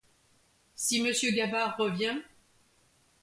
Si monsieur Gavard revient